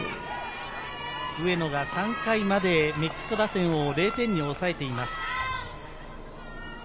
上野が３回までメキシコ打線を０点に抑えています。